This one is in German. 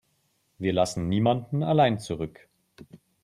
Wir lassen niemanden allein zurück.